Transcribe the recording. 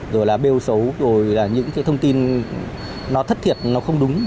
rồi là bêu xấu rồi là những thông tin thất thiệt không đúng